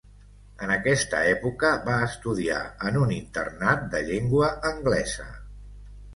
En aquesta època, va estudiar en un internat de llengua anglesa.